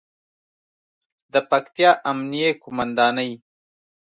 د پکتیا امنیې قوماندانۍ